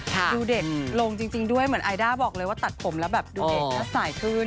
ดูเด็กลงจริงด้วยเหมือนไอด้าบอกเลยว่าตัดผมแล้วแบบดูเด็กหน้าสายขึ้น